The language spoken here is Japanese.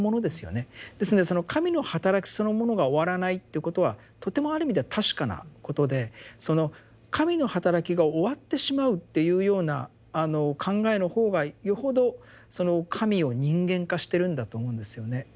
ですんでその「神の働きそのものが終わらない」っていうことはとてもある意味では確かなことでその「神の働き」が終わってしまうっていうような考えの方がよほどその神を人間化してるんだと思うんですよね。